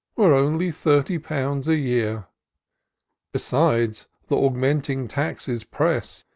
Were only thirty pounds a year. Besides, th' augmenting taxes press.